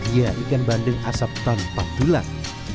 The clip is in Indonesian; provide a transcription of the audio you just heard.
ya ikan bandeng asap tanpa tulang